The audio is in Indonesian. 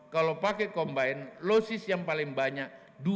kalau pakai combine losses yang paling banyak dua tiga